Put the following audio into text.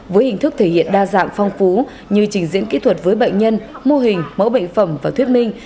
với hình thức thể hiện đa dạng phong phú như trình diễn kỹ thuật với bệnh nhân mô hình mẫu bệnh phẩm và thuyết minh